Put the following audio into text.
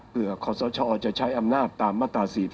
เพื่อขอสชจะใช้อำนาจตามมาตรา๔๔